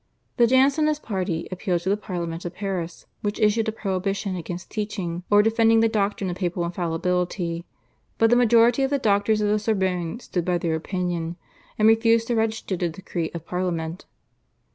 The Jansenist party appealed to the Parliament of Paris, which issued a prohibition against teaching or defending the doctrine of papal infallibility, but the majority of the doctors of the Sorbonne stood by their opinion, and refused to register the decree of Parliament.